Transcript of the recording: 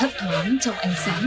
hấp thoáng trong ánh sáng